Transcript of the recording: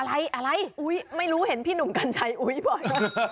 อะไรอะไรอุ๊ยไม่รู้เห็นพี่หนุ่มกัญชัยอุ๊ยบ่อย